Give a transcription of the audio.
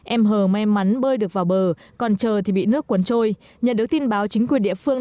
em hờ may mắn bơi được vào bờ còn chờ thì bị nước cuốn trôi nhận được tin báo chính quyền địa phương